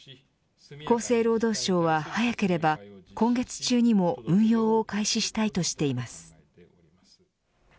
厚生労働省は、早ければ今月中にも運用を開始したいとしています。